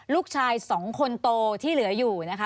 ลูกชาย๒คนโตที่เหลืออยู่นะคะ